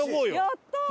やった！